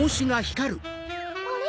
あれ？